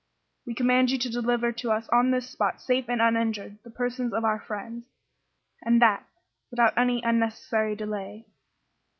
We command you to deliver to us on this spot, safe and uninjured, the persons of our friends, and that without any unnecessary delay."